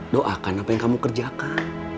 doakan apa yang kamu kerjakan